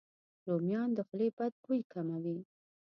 رومیان د خولې بد بوی کموي.